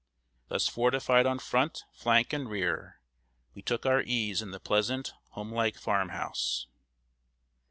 Thus fortified on front, flank, and rear, we took our ease in the pleasant, home like farmhouse.